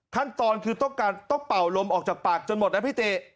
ขั้นตอนคือต้องการต้องเป่าลมออกจากปากจนหมดนะพี่ติ